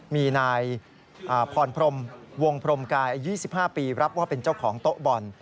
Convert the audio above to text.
มีนายพรพรมวงพรมกายอายุ๒๕ปีรับว่าเป็นเจ้าของโต๊ะบอล